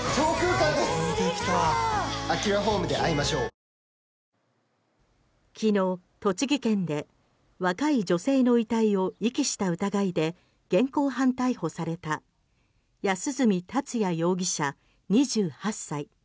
三菱電機昨日、栃木県で若い女性の遺体を遺棄した疑いで現行犯逮捕された安栖達也容疑者、２８歳。